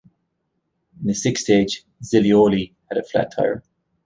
In the sixth stage, Zilioli had a flat tire.